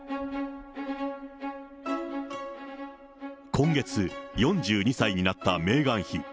今月、４２歳になったメーガン妃。